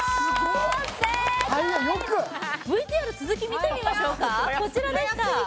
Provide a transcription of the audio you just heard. ＶＴＲ続き見てみましょうかこちらでした